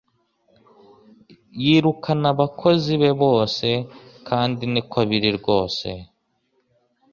Yirukana abakozi be bose kandi niko biri rwose